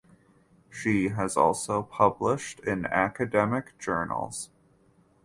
She has also published in academic journals.